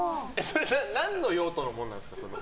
何の用途のものなんですか？